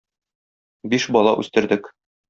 Биш бала үстердек.